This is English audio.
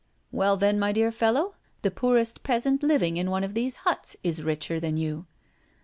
"What then, my dear fellow? The poorest peasant living in one of these huts is richer than you."